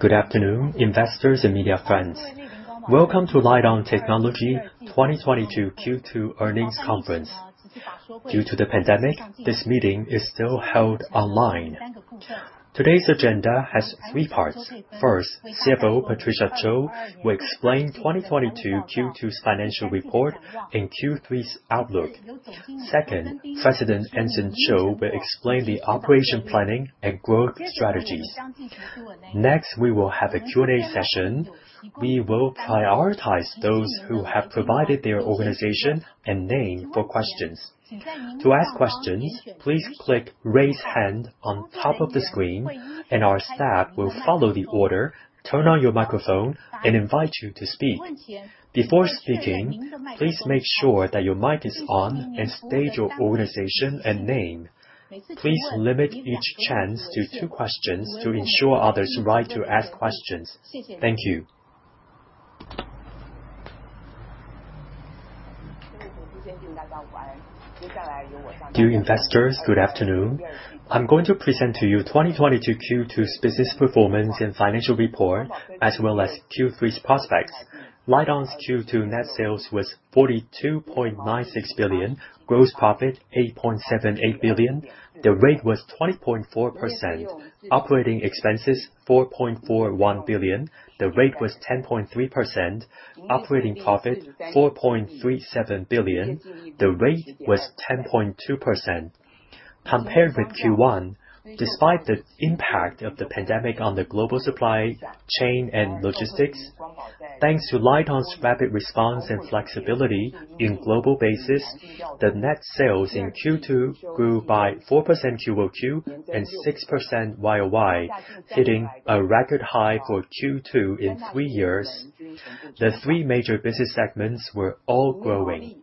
Good afternoon, investors and media friends. Welcome to LITE-ON Technology 2022 Q2 earnings conference. Due to the pandemic, this meeting is still held online. Today's agenda has three parts. First, CFO Patricia Chou will explain 2022 Q2's financial report and Q3's outlook. Second, President Anson Chiu will explain the operation planning and growth strategies. Next, we will have a Q&A session. We will prioritize those who have provided their organization and name for questions. To ask questions, please click Raise Hand on top of the screen, and our staff will follow the order, turn on your microphone and invite you to speak. Before speaking, please make sure that your mic is on and state your organization and name. Please limit each chance to two questions to ensure others' right to ask questions. Thank you. Dear investors, good afternoon. I'm going to present to you 2022 Q2's business performance and financial report, as well as Q3's prospects. LITE-ON's Q2 net sales was 42.96 billion. Gross profit, 8.78 billion. The rate was 20.4%. Operating expenses, 4.41 billion. The rate was 10.3%. Operating profit, 4.37 billion. The rate was 10.2%. Compared with Q1, despite the impact of the pandemic on the global supply chain and logistics, thanks to LITE-ON's rapid response and flexibility in global basis, the net sales in Q2 grew by 4% QoQ and 6% YoY, hitting a record high for Q2 in three years. The three major business segments were all growing.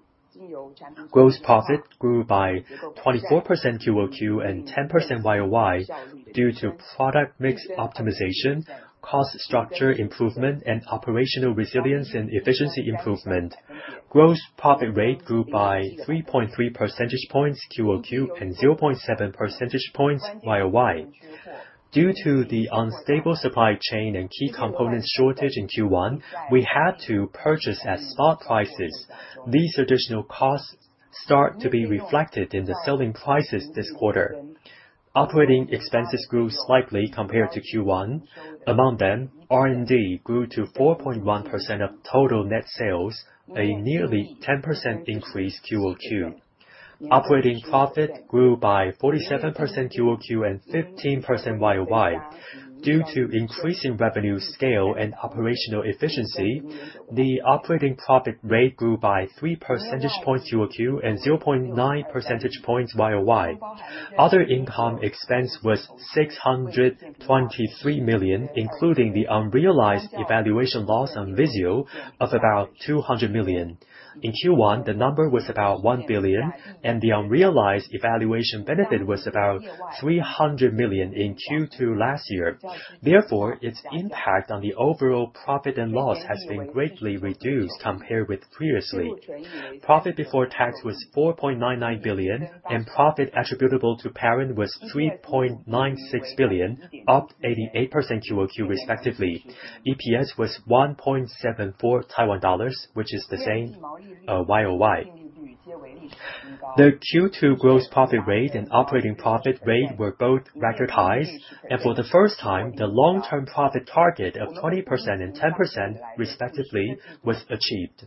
Gross profit grew by 24% QoQ and 10% YoY due to product mix optimization, cost structure improvement, and operational resilience and efficiency improvement. Gross profit rate grew by 3.3 percentage points QoQ and 0.7 percentage points YoY. Due to the unstable supply chain and key components shortage in Q1, we had to purchase at spot prices. These additional costs start to be reflected in the selling prices this quarter. Operating expenses grew slightly compared to Q1. Among them, R&D grew to 4.1% of total net sales, a nearly 10% increase QoQ. Operating profit grew by 47% QoQ and 15% YoY. Due to increase in revenue scale and operational efficiency, the operating profit rate grew by 3 percentage points QoQ and 0.9 percentage points YoY. Other income expense was 623 million, including the unrealized valuation loss on VIZIO of about 200 million. In Q1, the number was about 1 billion, and the unrealized valuation benefit was about 300 million in Q2 last year. Therefore, its impact on the overall profit and loss has been greatly reduced compared with previously. Profit before tax was 4.99 billion, and profit attributable to parent was 3.96 billion, up 88% QoQ respectively. EPS was 1.74 Taiwan dollars, which is the same YoY. The Q2 gross profit rate and operating profit rate were both record highs. For the first time, the long-term profit target of 20% and 10% respectively was achieved.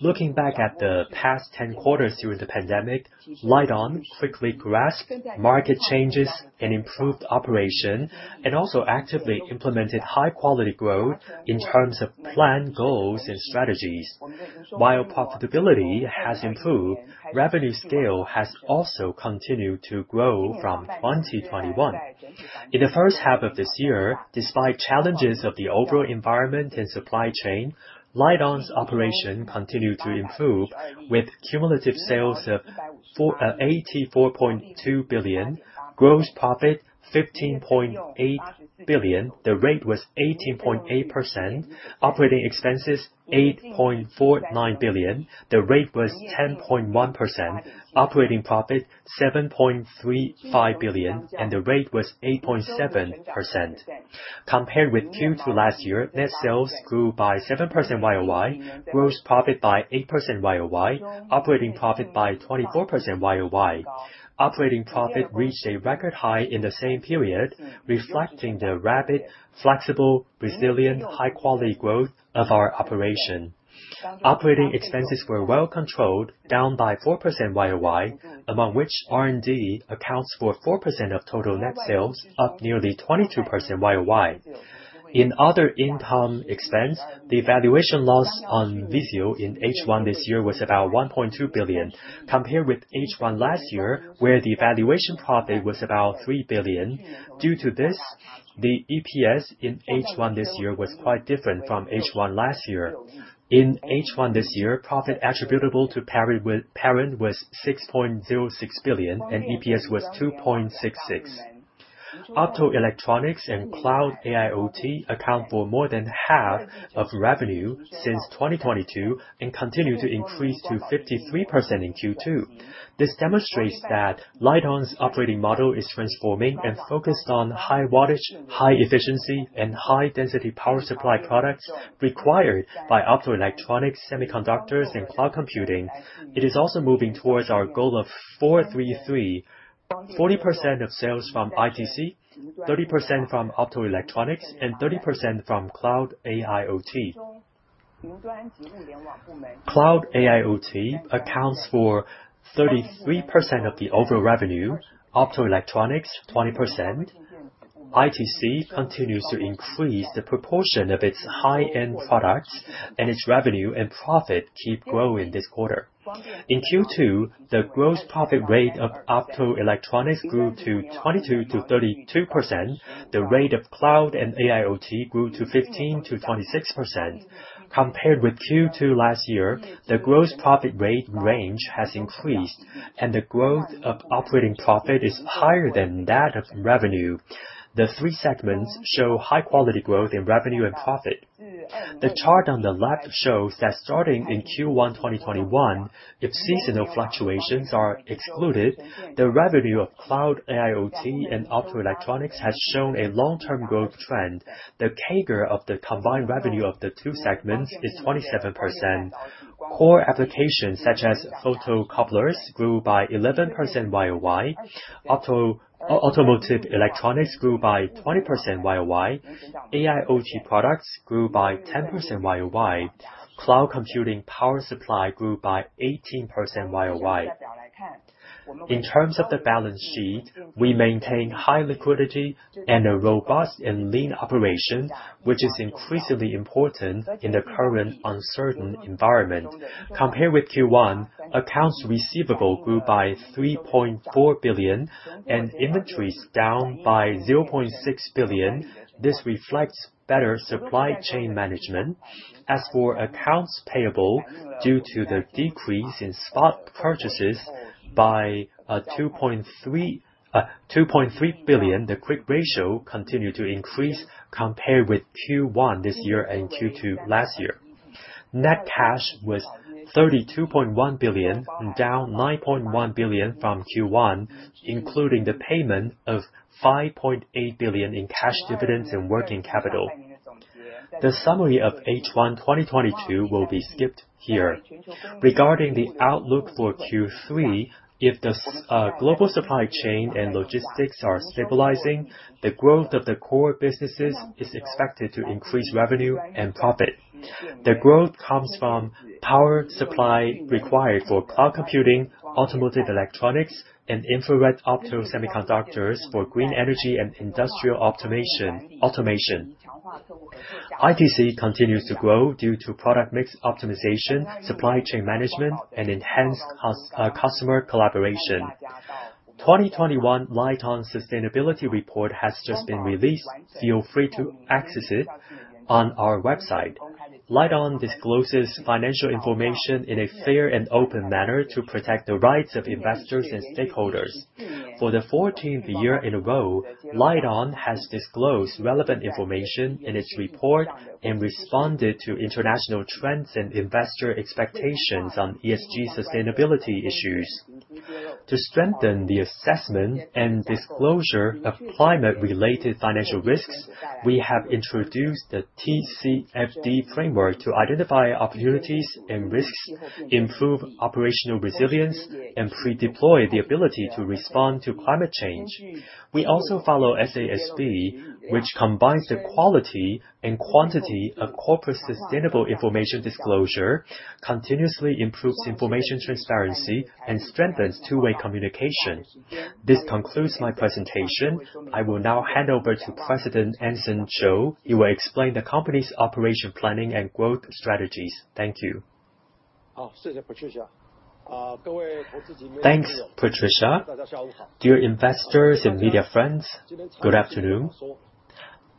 Looking back at the past 10 quarters during the pandemic, LITE-ON quickly grasped market changes and improved operation, and also actively implemented high quality growth in terms of plan goals and strategies. While profitability has improved, revenue scale has also continued to grow from 2021. In the first half of this year, despite challenges of the overall environment and supply chain, LITE-ON 's operation continued to improve with cumulative sales of 484.2 billion. Gross profit, 15.8 billion. The rate was 18.8%. Operating expenses, 8.49 billion. The rate was 10.1%. Operating profit, 7.35 billion, and the rate was 8.7%. Compared with Q2 last year, net sales grew by 7% YoY, gross profit by 8% YoY, operating profit by 24% YoY. Operating profit reached a record high in the same period, reflecting the rapid, flexible, resilient, high quality growth of our operation. Operating expenses were well controlled, down by 4% YoY, among which R&D accounts for 4% of total net sales, up nearly 22% YoY. In other income and expense, the valuation loss on VIZIO in H1 this year was about 1.2 billion, compared with H1 last year, where the valuation profit was about 3 billion. Due to this, the EPS in H1 this year was quite different from H1 last year. In H1 this year, profit attributable to parent was 6.06 billion and EPS was 2.66. Optoelectronics and cloud AIoT account for more than half of revenue since 2022 and continue to increase to 53% in Q2. This demonstrates that LITE-ON 's operating model is transforming and focused on high wattage, high efficiency, and high density power supply products required by optoelectronics, semiconductors, and cloud computing. It is also moving towards our goal of 4-3-3, 40% of sales from ITC, 30% from optoelectronics, and 30% from cloud AIoT. Cloud AIoT accounts for 33% of the overall revenue. Optoelectronics, 20%. ITC continues to increase the proportion of its high-end products and its revenue and profit keep growing this quarter. In Q2, the gross profit rate of optoelectronics grew to 22%-32%. The rate of cloud and AIoT grew to 15%-26%. Compared with Q2 last year, the gross profit rate range has increased and the growth of operating profit is higher than that of revenue. The three segments show high quality growth in revenue and profit. The chart on the left shows that starting in Q1 2021, if seasonal fluctuations are excluded, the revenue of cloud AIoT and optoelectronics has shown a long-term growth trend. The CAGR of the combined revenue of the two segments is 27%. Core applications such as photocouplers grew by 11% YoY. Automotive electronics grew by 20% YoY. AIoT products grew by 10% YoY. Cloud computing power supply grew by 18% YoY. In terms of the balance sheet, we maintain high liquidity and a robust and lean operation, which is increasingly important in the current uncertain environment. Compared with Q1, accounts receivable grew by 3.4 billion and inventories down by 0.6 billion. This reflects better supply chain management. As for accounts payable, due to the decrease in stock purchases by 2.3 billion, the quick ratio continued to increase compared with Q1 this year and Q2 last year. Net cash was 32.1 billion, down 9.1 billion from Q1, including the payment of 5.8 billion in cash dividends and working capital. The summary of H1, 2022 will be skipped here. Regarding the outlook for Q3, if the global supply chain and logistics are stabilizing, the growth of the core businesses is expected to increase revenue and profit. The growth comes from power supply required for Cloud Computing, Automotive Electronics, and Infrared Opto Semiconductors for green energy and industrial automation. ITC continues to grow due to product mix optimization, supply chain management, and enhanced customer collaboration. 2021 LITE-ON sustainability report has just been released. Feel free to access it on our website. LITE-ON discloses financial information in a fair and open manner to protect the rights of investors and stakeholders. For the 14th year in a row, LITE-ON has disclosed relevant information in its report and responded to international trends and investor expectations on ESG sustainability issues. To strengthen the assessment and disclosure of climate-related financial risks, we have introduced the TCFD framework to identify opportunities and risks, improve operational resilience, and pre-deploy the ability to respond to climate change. We also follow SASB, which combines the quality and quantity of corporate sustainable information disclosure, continuously improves information transparency, and strengthens two-way communication. This concludes my presentation. I will now hand over to President Anson Chiu. He will explain the company's operation planning and growth strategies. Thank you. Thanks, Patricia. Dear investors and media friends, good afternoon.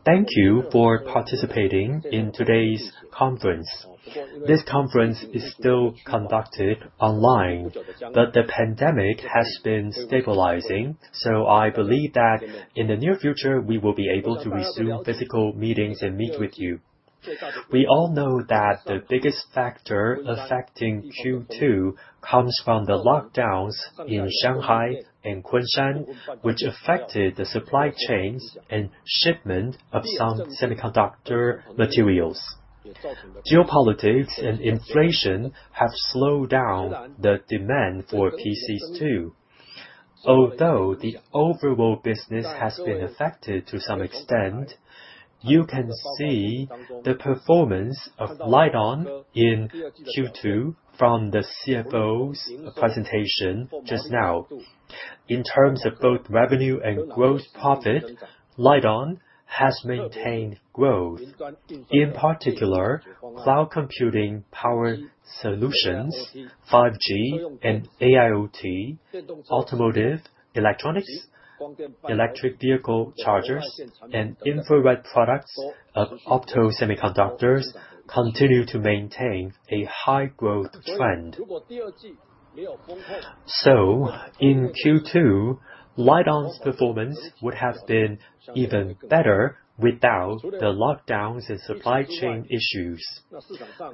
Thank you for participating in today's conference. This conference is still conducted online, but the pandemic has been stabilizing. I believe that in the near future, we will be able to resume physical meetings and meet with you. We all know that the biggest factor affecting Q2 comes from the lockdowns in Shanghai and Kunshan, which affected the supply chains and shipment of some semiconductor materials. Geopolitics and inflation have slowed down the demand for PCs, too. Although the overall business has been affected to some extent, you can see the performance of LITE-ON in Q2 from the CFO's presentation just now. In terms of both revenue and gross profit, LITE-ON has maintained growth. In particular, cloud computing power solutions, 5G and AIoT, automotive, electronics, electric vehicle chargers, and infrared products of opto-semiconductors continue to maintain a high growth trend. In Q2, LITE-ON 's performance would have been even better without the lockdowns and supply chain issues.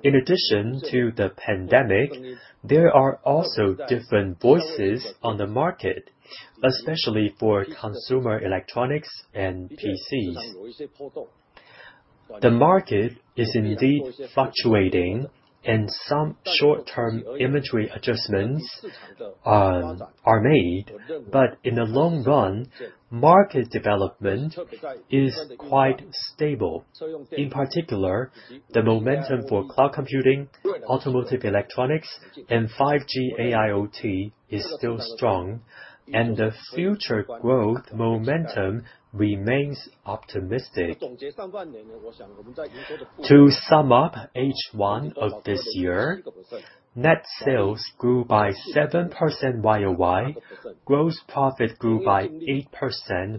In addition to the pandemic, there are also different voices on the market, especially for consumer electronics and PCs. The market is indeed fluctuating and some short-term inventory adjustments are made. In the long run, market development is quite stable. In particular, the momentum for Cloud Computing, Automotive Electronics, and 5G AIoT is still strong. The future growth momentum remains optimistic. To sum up H1 of this year, net sales grew by 7% YoY. Gross profit grew by 8%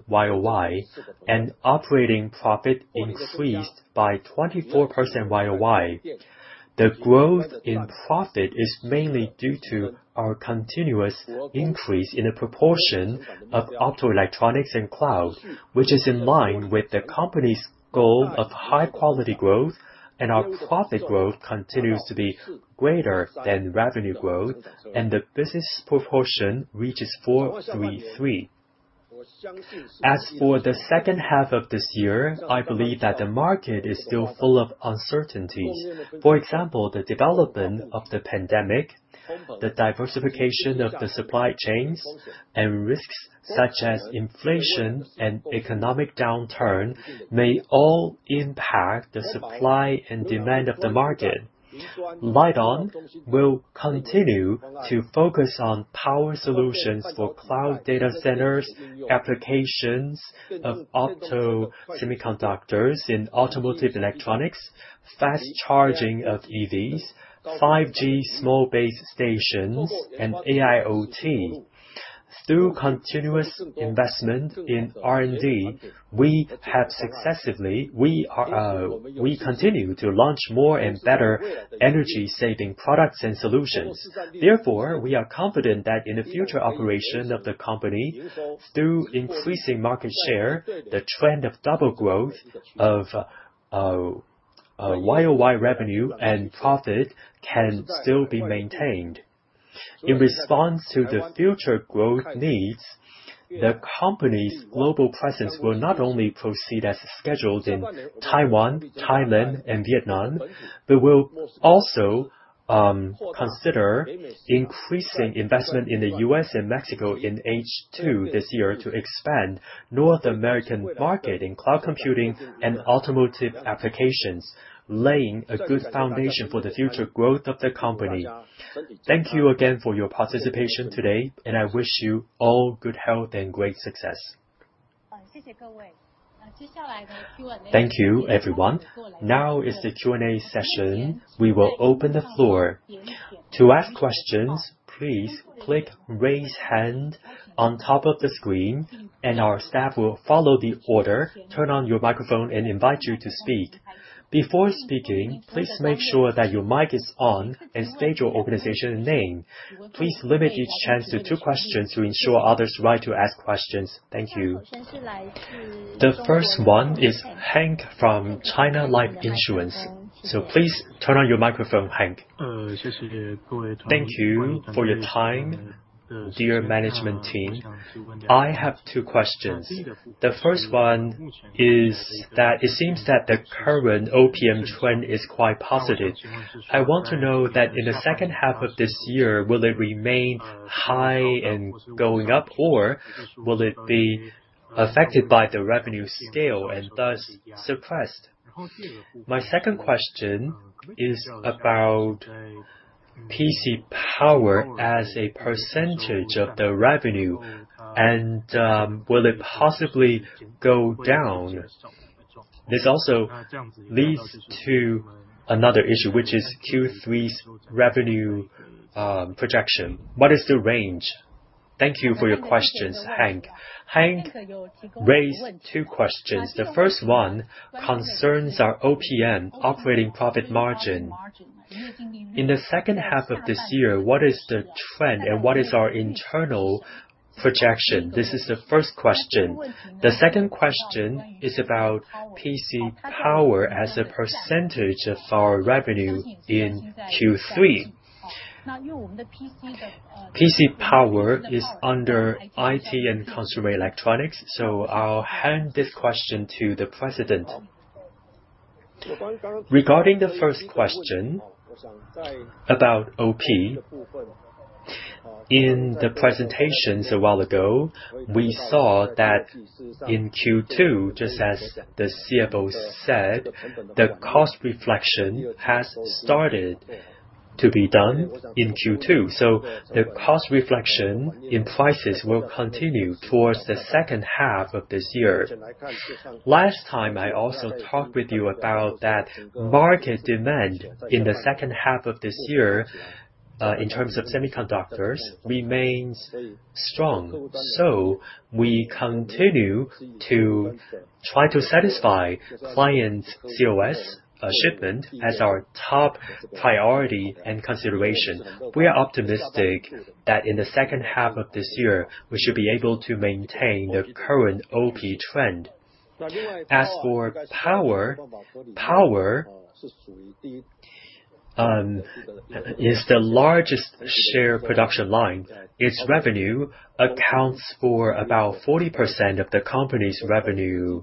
YoY. Operating profit increased by 24% YoY. The growth in profit is mainly due to our continuous increase in the proportion of optoelectronics and cloud, which is in line with the company's goal of high-quality growth, and our profit growth continues to be greater than revenue growth, and the business proportion reaches 4-3-3. As for the second half of this year, I believe that the market is still full of uncertainties. For example, the development of the pandemic, the diversification of the supply chains, and risks such as inflation and economic downturn may all impact the supply and demand of the market. LITE-ON will continue to focus on power solutions for cloud data centers, applications of opto-semiconductors in automotive electronics, fast charging of EVs, 5G small base stations, and AIoT. Through continuous investment in R&D, we continue to launch more and better energy-saving products and solutions. Therefore, we are confident that in the future operation of the company, through increasing market share, the trend of double growth of YoY revenue and profit can still be maintained. In response to the future growth needs, the company's global presence will not only proceed as scheduled in Taiwan, Thailand, and Vietnam, but will also consider increasing investment in the US and Mexico in H2 this year to expand North American market in cloud computing and automotive applications, laying a good foundation for the future growth of the company. Thank you again for your participation today, and I wish you all good health and great success. Thank you, everyone. Now is the Q&A session. We will open the floor. To ask questions, please click Raise Hand on top of the screen, and our staff will follow the order, turn on your microphone and invite you to speak. Before speaking, please make sure that your mic is on and state your organization and name. Please limit each chance to two questions to ensure others' right to ask questions. Thank you. The first one is Hank from China Life Insurance. So please turn on your microphone, Hank. Thank you for your time, dear management team. I have two questions. The first one is that it seems that the current OPM trend is quite positive. I want to know that in the second half of this year, will it remain high and going up, or will it be affected by the revenue scale and thus suppressed? My second question is about PC power as a percentage of the revenue, and will it possibly go down? This also leads to another issue, which is Q3's revenue projection. What is the range? Thank you for your questions, Hank. Hank raised two questions. The first one concerns our OPM, operating profit margin. In the second half of this year, what is the trend and what is our internal projection? This is the first question. The second question is about PC power as a percentage of our revenue in Q3. PC power is under IT and consumer electronics, so I'll hand this question to the President. Regarding the first question about OP, in the presentations a while ago, we saw that in Q2, just as the CFO said, the cost reflection has started to be done in Q2. So the cost reflection in prices will continue towards the second half of this year. Last time, I also talked with you about that market demand in the second half of this year in terms of semiconductors remains strong. We continue to try to satisfy client customer orders shipment as our top priority and consideration. We are optimistic that in the second half of this year, we should be able to maintain the current OP trend. As for power is the largest share production line. Its revenue accounts for about 40% of the company's revenue.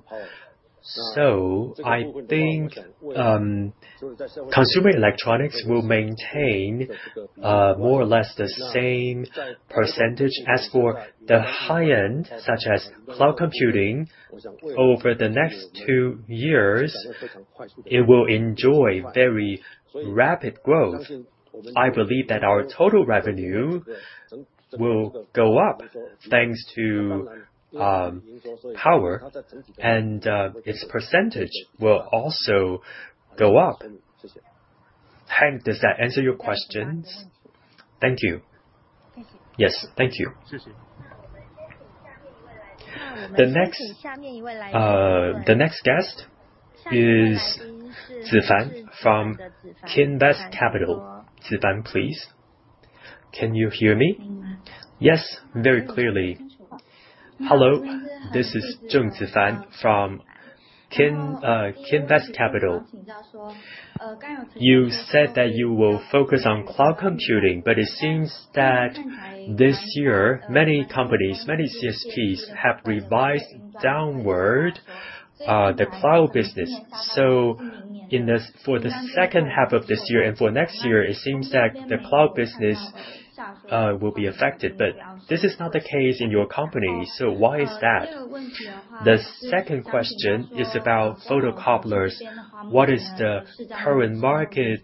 I think consumer electronics will maintain more or less the same percentage. As for the high end, such as Cloud Computing, over the next two years, it will enjoy very rapid growth. I believe that our total revenue will go up thanks to power, and its percentage will also go up. Hank, does that answer your questions? Thank you. Yes, thank you. The next guest is Zifan from Kinbest Capital. Zifan, please. Can you hear me? Yes, very clearly. Hello, this is Zheng Zifan from Kinbest Capital. You said that you will focus on Cloud Computing, but it seems that this year, many companies, many CSPs have revised downward the cloud business. For the second half of this year and for next year, it seems that the cloud business will be affected, but this is not the case in your company, so why is that? The second question is about photocouplers. What is the current market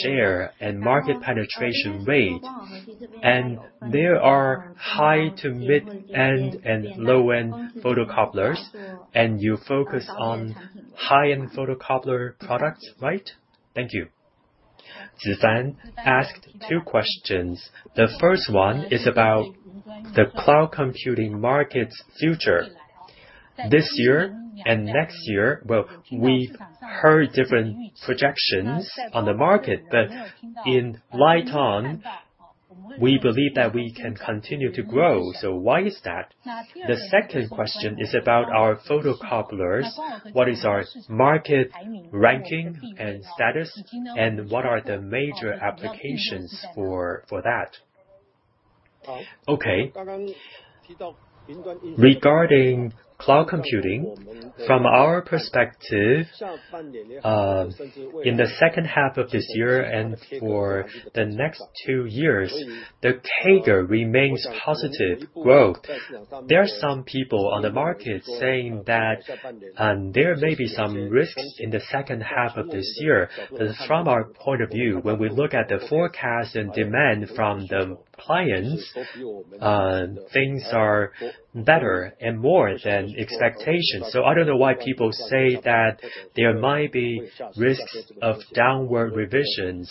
share and market penetration rate? And there are high- to mid-end and low-end photocouplers, and you focus on high-end photocoupler products, right? Thank you. Zifan asked two questions. The first one is about the cloud computing market's future. This year and next year, well, we've heard different projections on the market, but in LITE-ON, we believe that we can continue to grow. Why is that? The second question is about our Photocouplers. What is our market ranking and status, and what are the major applications for that? Okay. Regarding Cloud Computing, from our perspective, in the second half of this year and for the next two years, the CAGR remains positive growth. There are some people on the market saying that there may be some risks in the second half of this year. From our point of view, when we look at the forecast and demand from the clients, things are better and more than expectations. I don't know why people say that there might be risks of downward revisions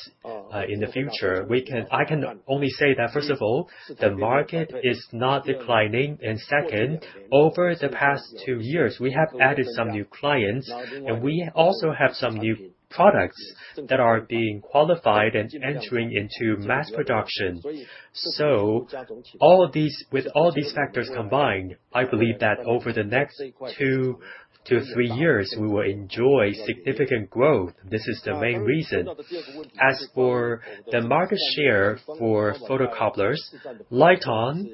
in the future. I can only say that, first of all, the market is not declining. Second, over the past two years, we have added some new clients, and we also have some new products that are being qualified and entering into mass production. All of these, with all these factors combined, I believe that over the next two to three years, we will enjoy significant growth. This is the main reason. As for the market share for photocouplers, LITE-ON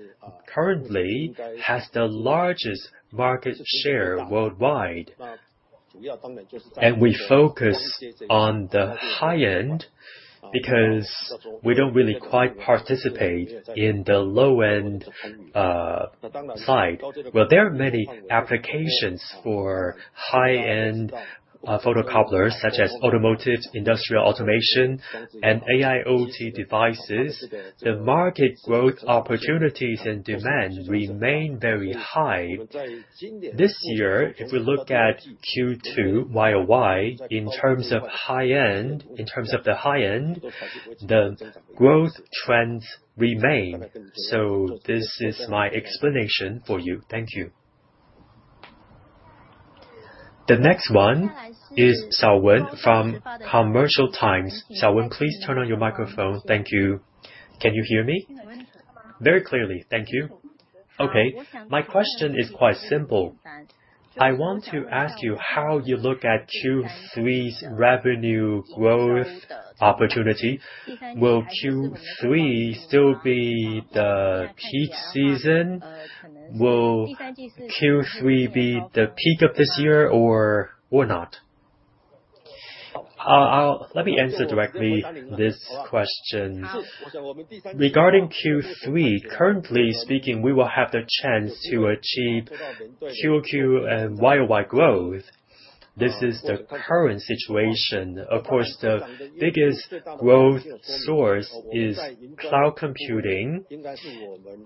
currently has the largest market share worldwide. We focus on the high-end because we don't really quite participate in the low-end side. Well, there are many applications for high-end photocouplers such as Automotive, Industrial Automation, and AIoT devices. The market growth opportunities and demand remain very high. This year, if we look at Q2 YoY, in terms of high-end, the growth trends remain. This is my explanation for you. Thank you. The next one is Xiaowen from Commercial Times. Xiaowen, please turn on your microphone. Thank you. Can you hear me? Very clearly. Thank you. Okay. My question is quite simple. I want to ask you how you look at Q3's revenue growth opportunity. Will Q3 still be the peak season? Will Q3 be the peak of this year or not? Let me answer directly this question. Regarding Q3, currently speaking, we will have the chance to achieve QoQ and YoY growth. This is the current situation. Of course, the biggest growth source is cloud computing.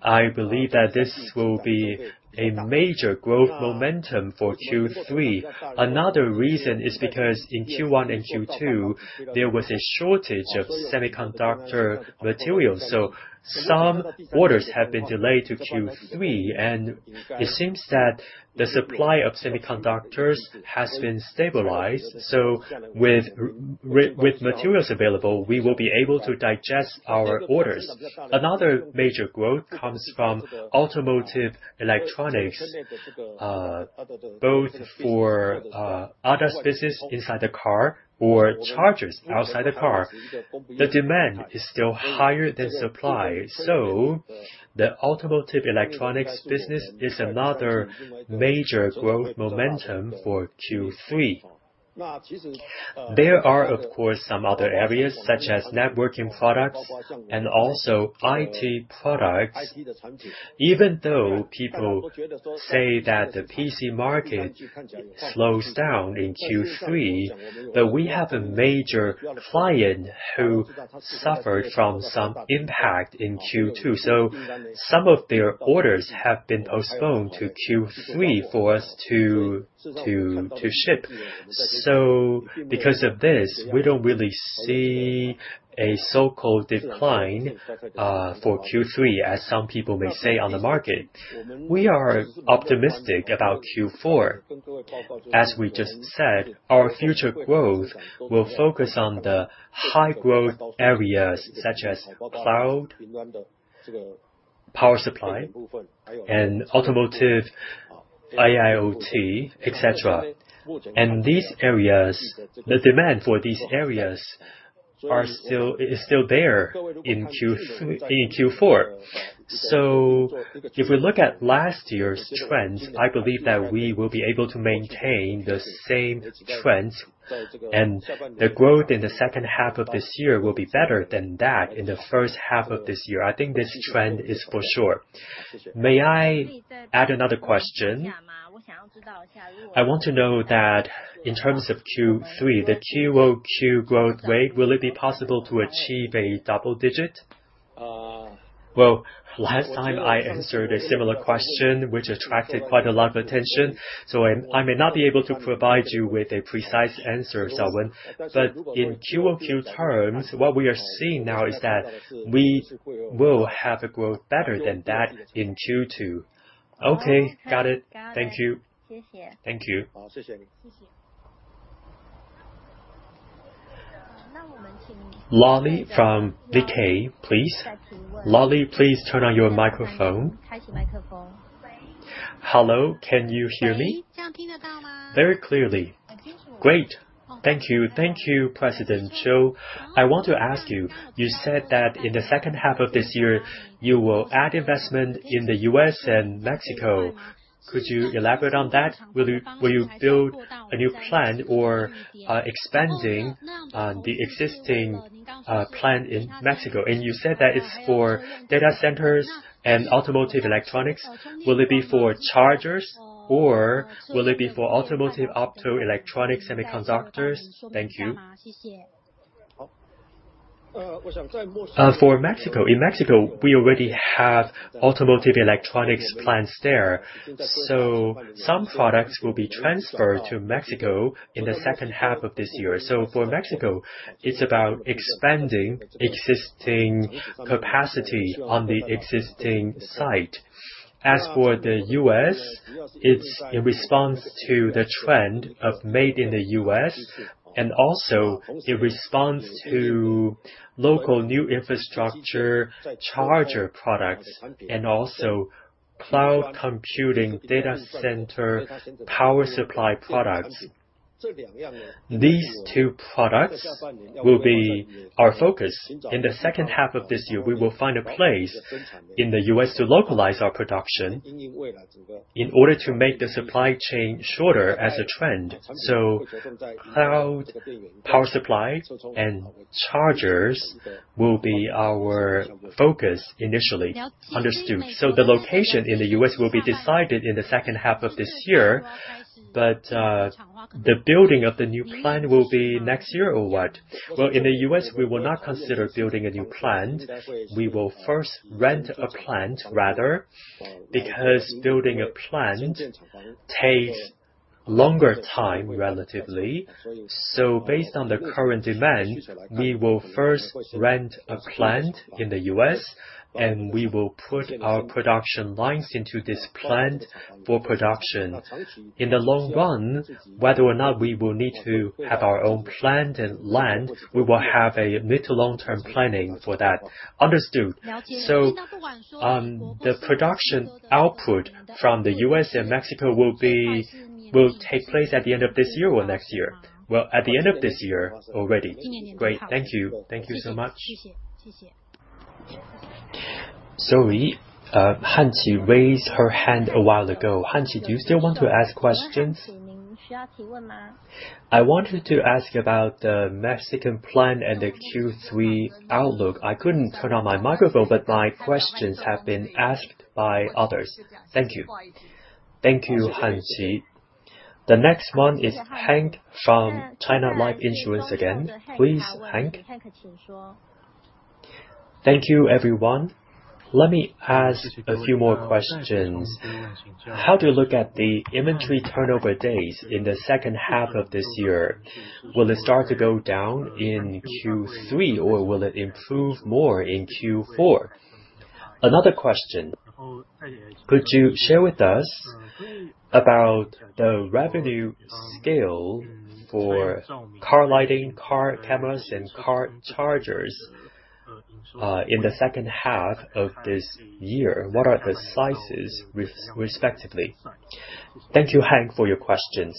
I believe that this will be a major growth momentum for Q3. Another reason is because in Q1 and Q2, there was a shortage of semiconductor materials, so some orders have been delayed to Q3, and it seems that the supply of semiconductors has been stabilized. With materials available, we will be able to digest our orders. Another major growth comes from automotive electronics, both for other spaces inside the car or chargers outside the car. The demand is still higher than supply. The Automotive Electronics business is another major growth momentum for Q3. There are, of course, some other areas such as networking products and also IT products. Even though people say that the PC market slows down in Q3, but we have a major client who suffered from some impact in Q2. Some of their orders have been postponed to Q3 for us to ship. Because of this, we don't really see a so-called decline for Q3, as some people may say on the market. We are optimistic about Q4. As we just said, our future growth will focus on the high-growth areas such as cloud, power supply and automotive IIoT, etc. These areas, the demand for these areas is still there in Q4. If we look at last year's trends, I believe that we will be able to maintain the same trends and the growth in the second half of this year will be better than that in the first half of this year. I think this trend is for sure. May I add another question? I want to know that in terms of Q3, the QoQ growth rate, will it be possible to achieve a double digit? Well, last time I answered a similar question, which attracted quite a lot of attention, so I may not be able to provide you with a precise answer, Xiaowen. In QoQ terms, what we are seeing now is that we will have a growth better than that in Q2. Okay. Got it. Thank you. Thank you. Thank you. Lolly from B&K, please. Lolly, please turn on your microphone. Hello. Can you hear me? Very clearly. Great. Thank you, President Chiu. I want to ask you said that in the second half of this year, you will add investment in the U.S. and Mexico. Could you elaborate on that? Will you build a new plant or expanding the existing plant in Mexico? And you said that it's for data centers and automotive electronics. Will it be for chargers or will it be for automotive optoelectronics semiconductors? Thank you. For Mexico. In Mexico, we already have automotive electronics plants there. Some products will be transferred to Mexico in the second half of this year. For Mexico, it's about expanding existing capacity on the existing site. As for the U.S., it's in response to the trend of Made in the U.S. and also in response to local new infrastructure charger products and also cloud computing data center power supply products. These two products will be our focus. In the second half of this year, we will find a place in the U.S. to localize our production in order to make the supply chain shorter as a trend. Cloud power supply and chargers will be our focus initially. Understood. The location in the U.S. will be decided in the second half of this year, but the building of the new plant will be next year or what? Well, in the US, we will not consider building a new plant. We will first rent a plant, rather, because building a plant takes longer time, relatively. Based on the current demand, we will first rent a plant in the US, and we will put our production lines into this plant for production. In the long run, whether or not we will need to have our own plant and land, we will have a mid to long-term planning for that. Understood. The production output from the US and Mexico will take place at the end of this year or next year? Well, at the end of this year already. Great. Thank you. Thank you so much. Sorry. Hancy raised her hand a while ago. Hancy, do you still want to ask questions? I wanted to ask about the Mexican plant and the Q3 outlook. I couldn't turn on my microphone, but my questions have been asked by others. Thank you. Thank you, Hancy. The next one is Hank from China Life Insurance Company again. Please, Hank. Thank you, everyone. Let me ask a few more questions. How do you look at the inventory turnover days in the second half of this year? Will it start to go down in Q3, or will it improve more in Q4? Another question, could you share with us about the revenue scale for car lighting, car cameras, and car chargers, in the second half of this year? What are the sizes respectively? Thank you, Hank, for your questions.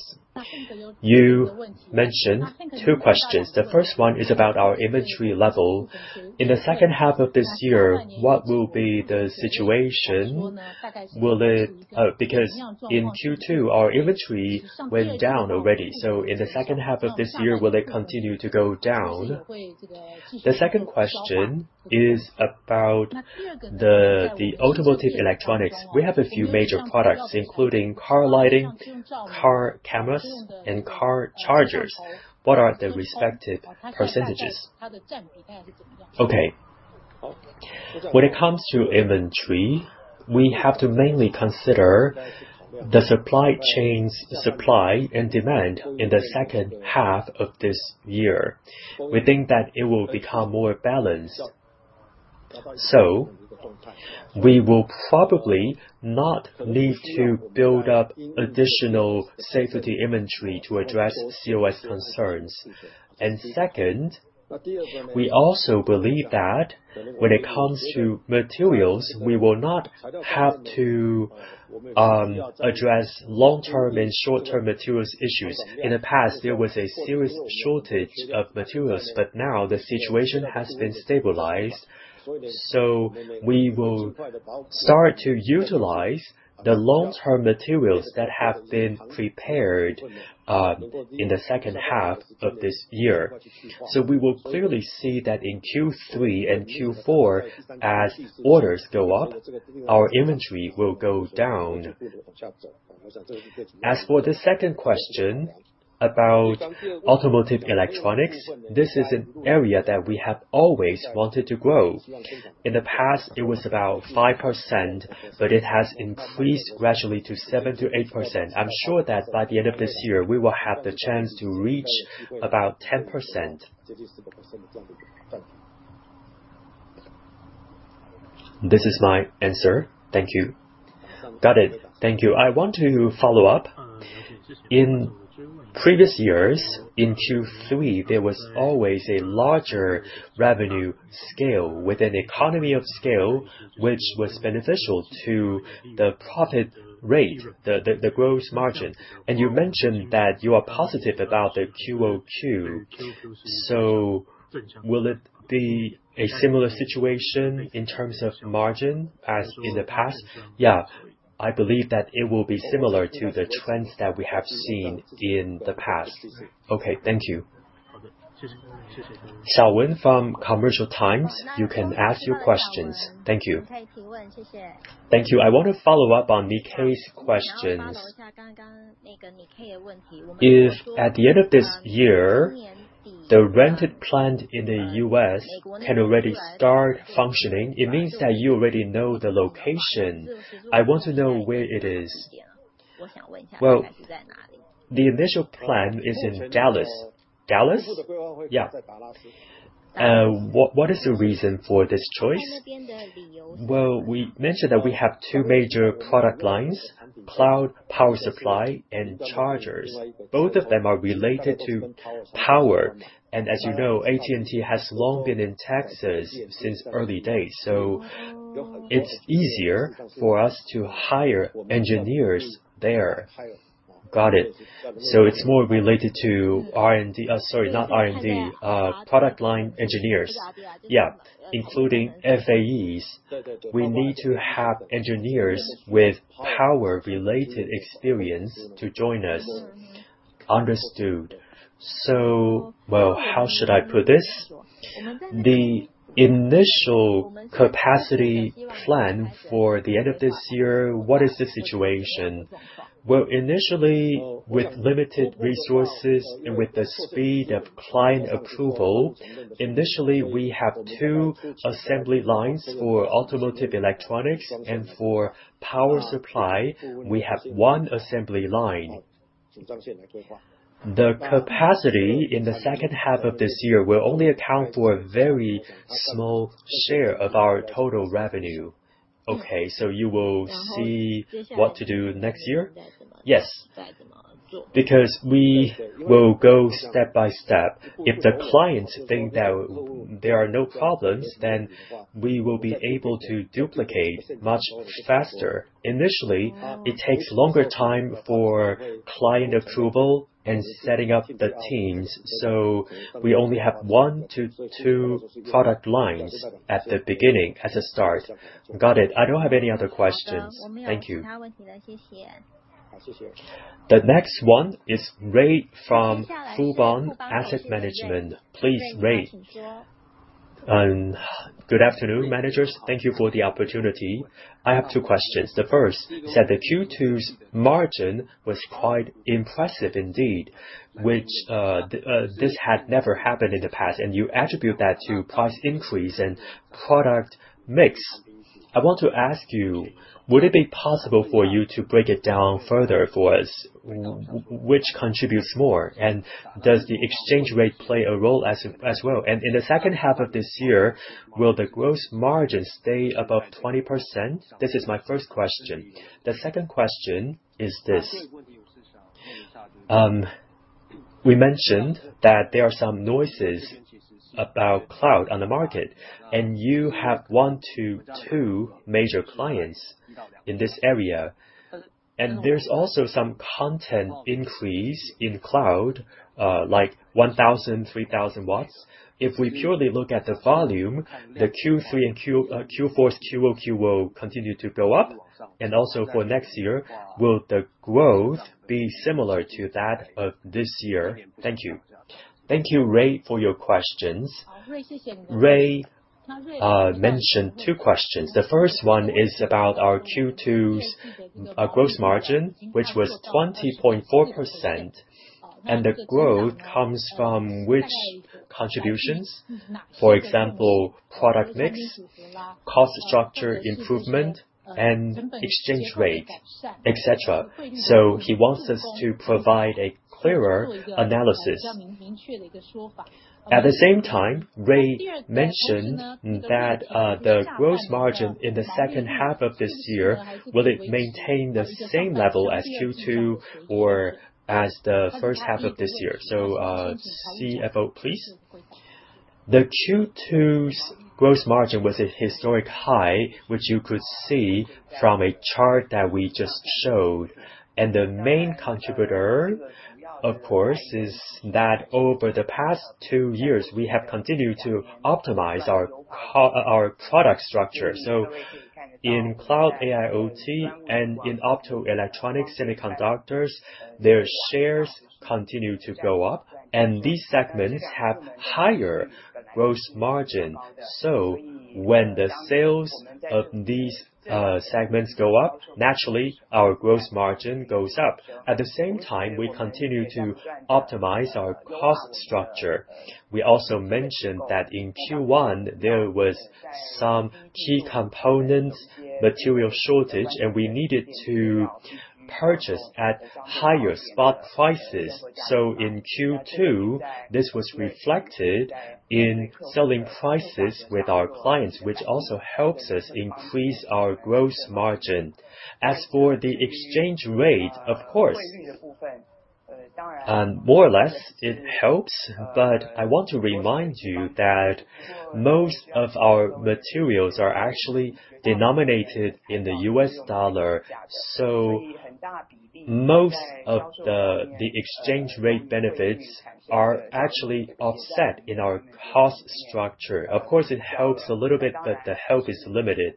You mentioned two questions. The first one is about our inventory level. In the second half of this year, what will be the situation? Will it? Oh, because in Q2, our inventory went down already. In the second half of this year, will it continue to go down? The second question is about the automotive electronics. We have a few major products, including car lighting, car cameras, and car chargers. What are the respective percentages? Okay. When it comes to inventory, we have to mainly consider the supply chain's supply and demand in the second half of this year. We think that it will become more balanced. We will probably not need to build up additional safety inventory to address COS concerns. Second, we also believe that when it comes to materials, we will not have to address long-term and short-term materials issues. In the past, there was a serious shortage of materials, but now the situation has been stabilized. We will start to utilize the long-term materials that have been prepared in the second half of this year. We will clearly see that in Q3 and Q4 as orders go up, our inventory will go down. As for the second question about automotive electronics, this is an area that we have always wanted to grow. In the past, it was about 5%, but it has increased gradually to 7%-8%. I'm sure that by the end of this year, we will have the chance to reach about 10%. This is my answer. Thank you. Got it. Thank you. I want to follow up. In previous years, in Q3, there was always a larger revenue scale with an economy of scale, which was beneficial to the profit rate, the gross margin. You mentioned that you are positive about the QoQ, so will it be a similar situation in terms of margin as in the past? Yeah. I believe that it will be similar to the trends that we have seen in the past. Okay. Thank you. Xiaowen from Commercial Times, you can ask your questions. Thank you. Thank you. I want to follow up on Nikkei's questions. If at the end of this year, the rented plant in the U.S. can already start functioning, it means that you already know the location. I want to know where it is. Well, the initial plan is in Dallas. Dallas? Yeah. What is the reason for this choice? Well, we mentioned that we have two major product lines, cloud power supply and chargers. Both of them are related to power. As you know, AT&T has long been in Texas since early days, so it's easier for us to hire engineers there. Got it. It's more related to product line engineers. Yeah, including FAEs. We need to have engineers with power-related experience to join us. Understood. Well, how should I put this? The initial capacity plan for the end of this year, what is the situation? Well, initially, with limited resources and with the speed of client approval, we have two assembly lines for automotive electronics, and for power supply, we have one assembly line. The capacity in the second half of this year will only account for a very small share of our total revenue. Okay. You will see what to do next year? Yes. Because we will go step by step. If the clients think that there are no problems, then we will be able to duplicate much faster. Initially, it takes longer time for client approval and setting up the teams. We only have one to two product lines at the beginning as a start. Got it. I don't have any other questions. Thank you. The next one is Ray from Fubon Asset Management. Please, Ray. Good afternoon, managers. Thank you for the opportunity. I have two questions. The first, said that Q2's margin was quite impressive indeed, which this had never happened in the past, and you attribute that to price increase and product mix. I want to ask you, would it be possible for you to break it down further for us? Which contributes more? And does the exchange rate play a role as well? In the second half of this year, will the gross margin stay above 20%? This is my first question. The second question is this. We mentioned that there are some noises about cloud on the market, and you have one to two major clients in this area. There's also some content increase in cloud, like 1,000, 3,000 W. If we purely look at the volume, the Q3 and Q4's QoQ will continue to go up. Also for next year, will the growth be similar to that of this year? Thank you. Thank you, Ray, for your questions. Ray mentioned two questions. The first one is about our Q2's gross margin, which was 20.4%, and the growth comes from which contributions. For example, product mix, cost structure improvement, and exchange rate, etc. He wants us to provide a clearer analysis. At the same time, Ray mentioned that the gross margin in the second half of this year, will it maintain the same level as Q2 or as the first half of this year? CFO, please. The Q2's gross margin was a historic high, which you could see from a chart that we just showed. The main contributor, of course, is that over the past two years, we have continued to optimize our product structure. In cloud AIoT and in optoelectronics semiconductors, their shares continue to go up, and these segments have higher gross margin. When the sales of these segments go up, naturally, our gross margin goes up. At the same time, we continue to optimize our cost structure. We also mentioned that in Q1, there was some key components, material shortage, and we needed to purchase at higher spot prices. In Q2, this was reflected in selling prices with our clients, which also helps us increase our gross margin. As for the exchange rate, of course, more or less it helps, but I want to remind you that most of our materials are actually denominated in the US dollar. Most of the exchange rate benefits are actually offset in our cost structure. Of course, it helps a little bit, but the help is limited.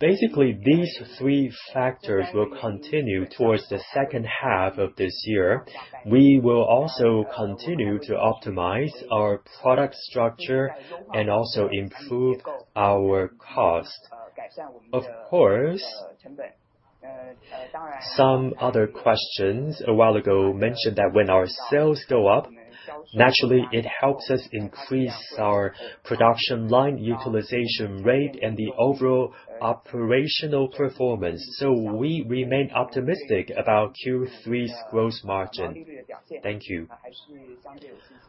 Basically, these three factors will continue towards the second half of this year. We will also continue to optimize our product structure and also improve our cost. Of course, some other questions a while ago mentioned that when our sales go up, naturally, it helps us increase our production line utilization rate and the overall operational performance. We remain optimistic about Q3's growth margin. Thank you.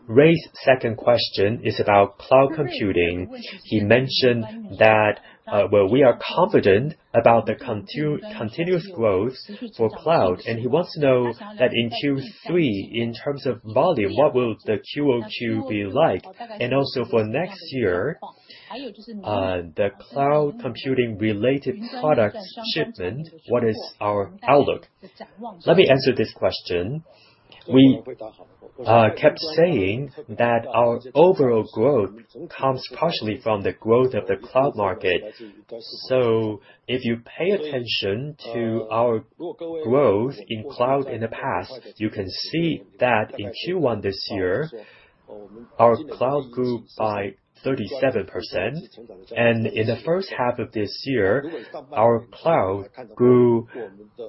Ray's second question is about cloud computing. He mentioned that, well, we are confident about the continuous growth for cloud, and he wants to know that in Q3, in terms of volume, what will the QoQ be like? And also for next year, the cloud computing related product shipment, what is our outlook? Let me answer this question. We kept saying that our overall growth comes partially from the growth of the cloud market. If you pay attention to our growth in cloud in the past, you can see that in Q1 this year, our cloud grew by 37%, and in the first half of this year, our cloud grew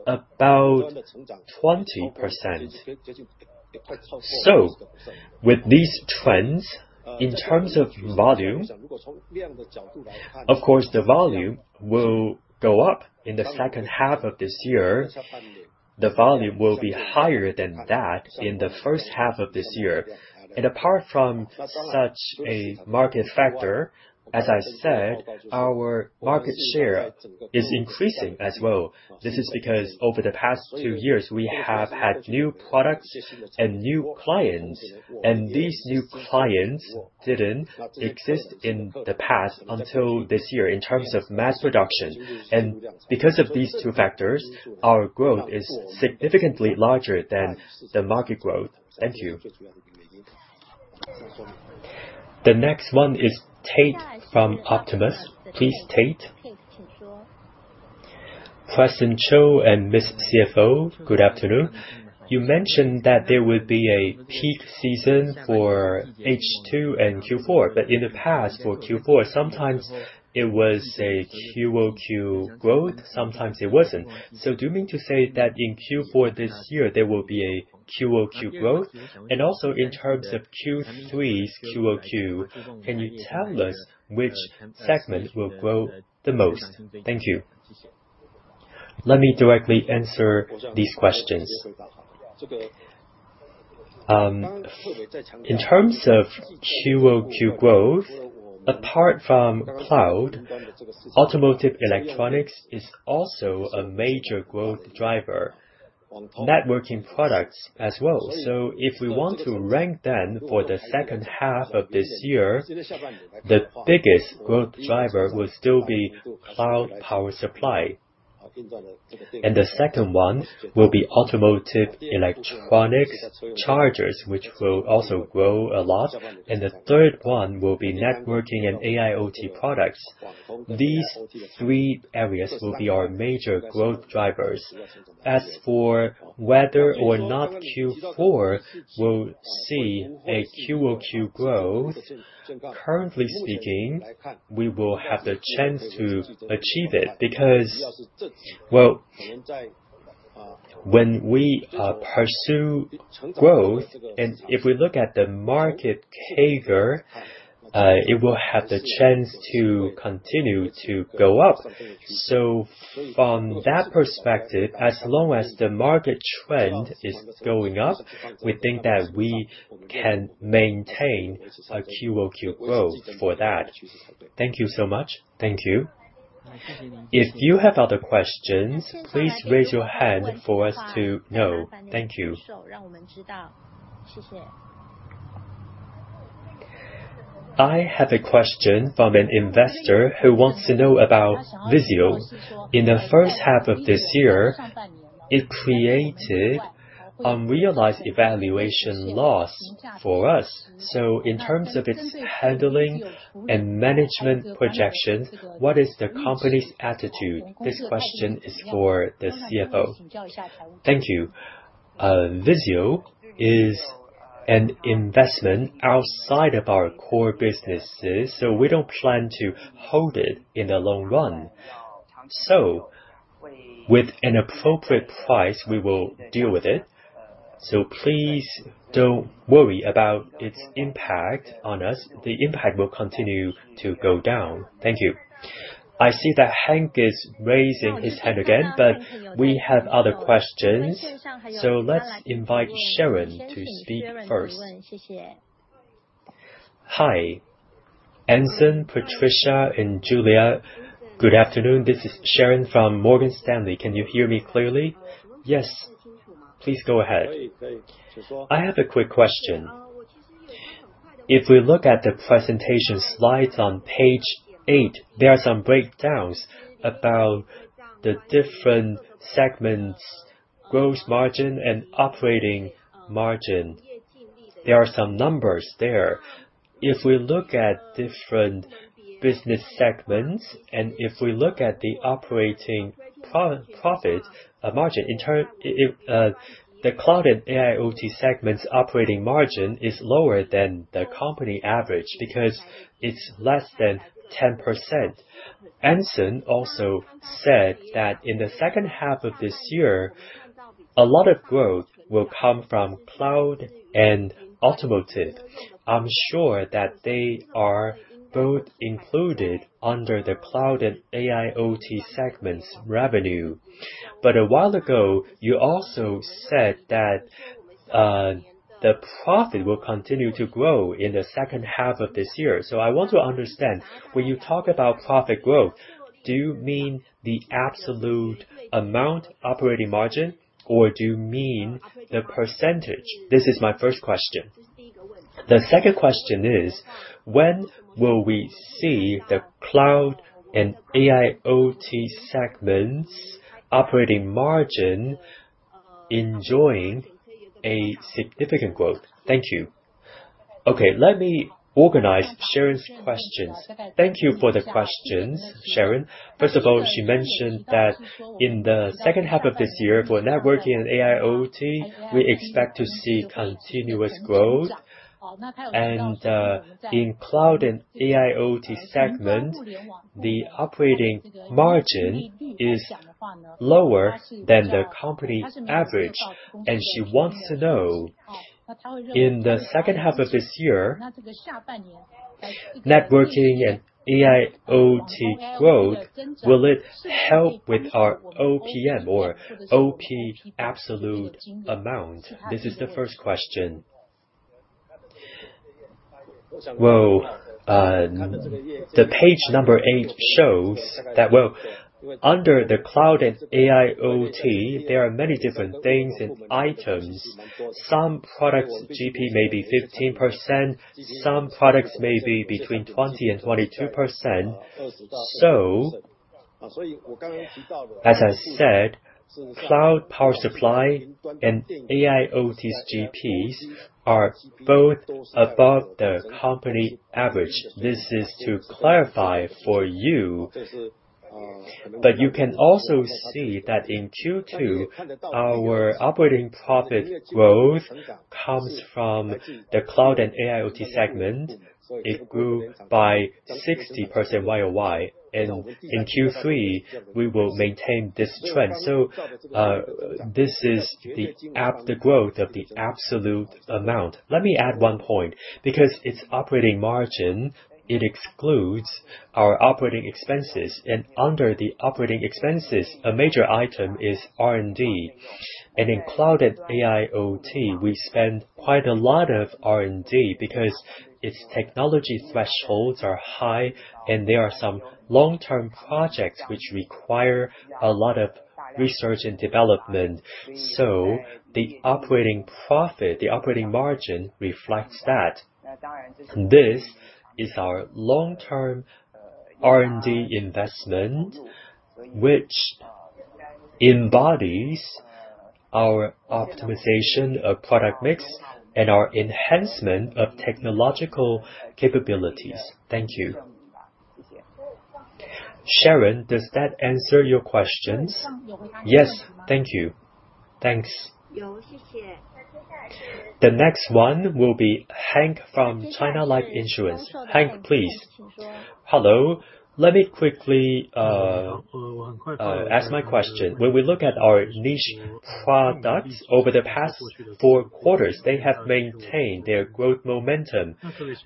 about 20%. With these trends, in terms of volume, of course, the volume will go up in the second half of this year. The volume will be higher than that in the first half of this year. Apart from such a market factor, as I said, our market share is increasing as well. This is because over the past two years, we have had new products and new clients, and these new clients didn't exist in the past until this year in terms of mass production. Because of these two factors, our growth is significantly larger than the market growth. Thank you. The next one is Tate from Maxim Group. Please, Tate. President Chiu and Ms. CFO, good afternoon. You mentioned that there would be a peak season for H2 and Q4. In the past for Q4, sometimes it was a QoQ growth, sometimes it wasn't. Do you mean to say that in Q4 this year, there will be a QoQ growth? Also in terms of Q3's QoQ, can you tell us which segment will grow the most? Thank you. Let me directly answer these questions. In terms of QoQ growth, apart from cloud, automotive electronics is also a major growth driver. Networking products as well. If we want to rank them for the second half of this year, the biggest growth driver will still be cloud power supply. The second one will be automotive electronics chargers, which will also grow a lot. The third one will be networking and AIoT products. These three areas will be our major growth drivers. As for whether or not Q4 will see a QoQ growth, currently speaking, we will have the chance to achieve it because, well, when we pursue growth, and if we look at the market CAGR, it will have the chance to continue to go up. From that perspective, as long as the market trend is going up, we think that we can maintain a QoQ growth for that. Thank you so much. Thank you. If you have other questions, please raise your hand for us to know. Thank you. I have a question from an investor who wants to know about VIZIO. In the first half of this year, it created unrealized valuation loss for us. In terms of its handling and management projections, what is the company's attitude? This question is for the CFO. Thank you. VIZIO is an investment outside of our core businesses, so we don't plan to hold it in the long run. With an appropriate price, we will deal with it. Please don't worry about its impact on us. The impact will continue to go down. Thank you. I see that Hank is raising his hand again, but we have other questions. Let's invite Sharon to speak first. Hi. Anson, Patricia, and Julia. Good afternoon. This is Sharon from Morgan Stanley. Can you hear me clearly? Yes. Please go ahead. I have a quick question. If we look at the presentation slides on page 8, there are some breakdowns about the different segments, gross margin and operating margin. There are some numbers there. If we look at different business segments, and if we look at the operating profit margin. If the cloud and AIoT segment's operating margin is lower than the company average because it's less than 10%. Anson also said that in the second half of this year, a lot of growth will come from cloud and automotive. I'm sure that they are both included under the cloud and AIoT segment's revenue. A while ago, you also said that the profit will continue to grow in the second half of this year. I want to understand, when you talk about profit growth, do you mean the absolute amount operating margin or do you mean the percentage? This is my first question. The second question is, when will we see the cloud and AIoT segment's operating margin enjoying a significant growth? Thank you. Okay, let me organize Sharon's questions. Thank you for the questions, Sharon. First of all, she mentioned that in the second half of this year for networking and AIoT, we expect to see continuous growth. In cloud and AIoT segment, the operating margin is lower than the company average. She wants to know in the second half of this year, networking and AIoT growth, will it help with our OPM or OP absolute amount? This is the first question. Well, the page number 8 shows that, well, under the cloud and AIoT, there are many different things and items. Some products GP may be 15%, some products may be between 20% and 22%. As I said, cloud power supply and AIoT's GPs are both above the company average. This is to clarify for you. You can also see that in Q2, our operating profit growth comes from the cloud and AIoT segment. It grew by 60% YoY, and in Q3 we will maintain this trend. This is the growth of the absolute amount. Let me add one point, because it's operating margin, it excludes our operating expenses. Under the operating expenses, a major item is R&D. In cloud and AIoT, we spend quite a lot of R&D because its technology thresholds are high, and there are some long-term projects which require a lot of research and development. The operating profit, the operating margin reflects that. This is our long-term R&D investment, which embodies our optimization of product mix and our enhancement of technological capabilities. Thank you. Sharon, does that answer your questions? Yes, thank you. Thanks. The next one will be Hank from China Life Insurance Company. Hank, please. Hello. Let me quickly ask my question. When we look at our niche products over the past four quarters, they have maintained their growth momentum.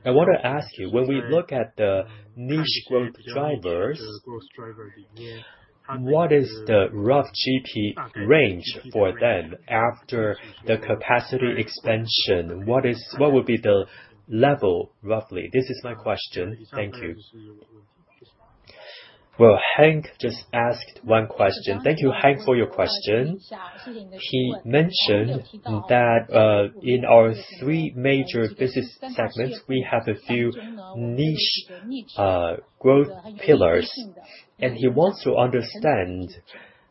I want to ask you, when we look at the niche growth drivers, what is the rough GP range for them after the capacity expansion? What would be the level roughly? This is my question. Thank you. Well, Hank just asked one question. Thank you, Hank, for your question. He mentioned that, in our three major business segments, we have a few niche growth pillars, and he wants to understand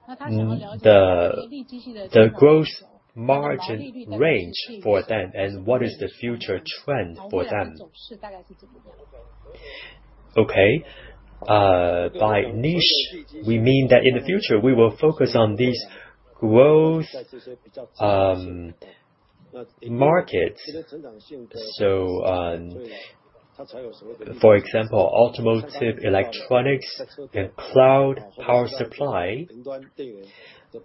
the growth margin range for them and what is the future trend for them. By niche, we mean that in the future we will focus on these growth markets. For example, automotive, electronics and cloud power supply.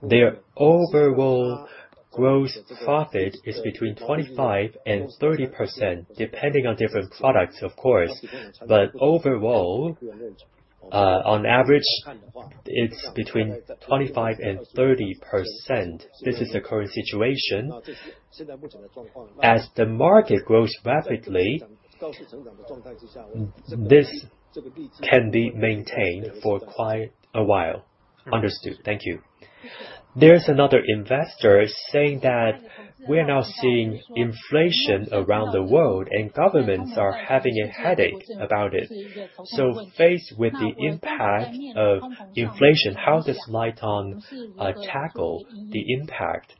Their overall growth profit is between 25% and 30%, depending on different products of course. Overall, on average it's between 25% and 30%. This is the current situation. As the market grows rapidly, this can be maintained for quite a while. Understood. Thank you. There's another investor saying that we are now seeing inflation around the world, and governments are having a headache about it. Faced with the impact of inflation, how does LITE-ON tackle the impact?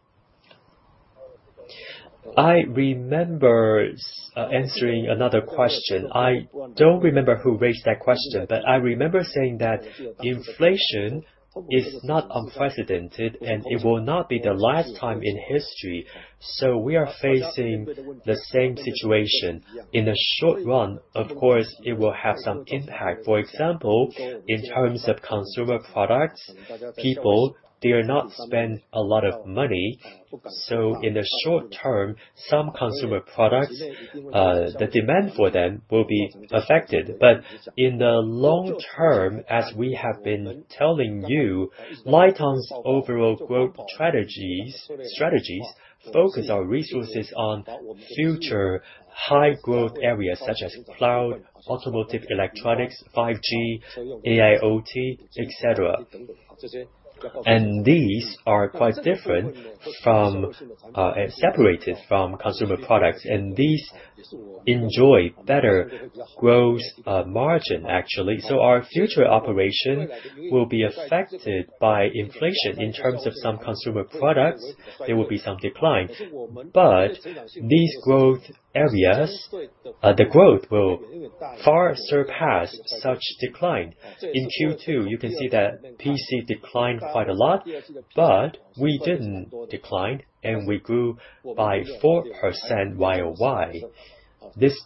I remember answering another question. I don't remember who raised that question, but I remember saying that inflation is not unprecedented, and it will not be the last time in history. We are facing the same situation. In the short run, of course, it will have some impact. For example, in terms of consumer products, people dare not spend a lot of money. In the short term, some consumer products, the demand for them will be affected. In the long term, as we have been telling you, LITE-ON 's overall growth strategies focus our resources on future high growth areas such as Cloud, Automotive, Electronics, 5G, AIoT, etc. These are quite different from, separated from consumer products, and these enjoy better growth margin actually. Our future operation will be affected by inflation. In terms of some consumer products, there will be some decline. These growth areas, the growth will far surpass such decline. In Q2, you can see that PC declined quite a lot, but we didn't decline and we grew by 4% YoY. This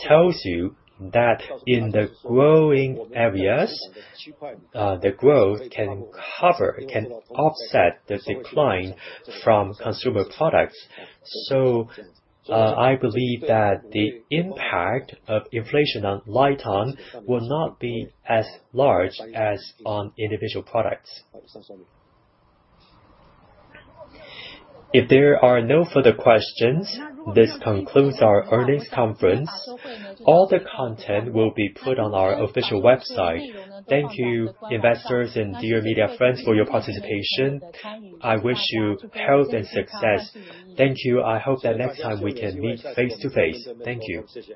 tells you that in the growing areas, the growth can cover, can offset the decline from consumer products. I believe that the impact of inflation on LITE-ON will not be as large as on individual products. If there are no further questions, this concludes our earnings conference. All the content will be put on our official website. Thank you, investors and dear media friends for your participation. I wish you health and success. Thank you. I hope that next time we can meet face-to-face. Thank you.